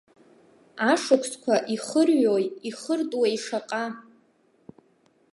Ашықәсқәа ихырҩои-ихыртуеи шаҟа!